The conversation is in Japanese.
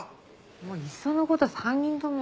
もういっその事３人とも。